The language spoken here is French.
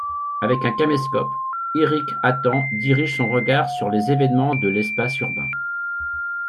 Avec un caméscope, Eric Hattan dirige son regard sur les événements de l'espace urbain.